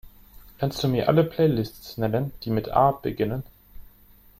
Kannst Du mir alle Playlists nennen, die mit A beginnen?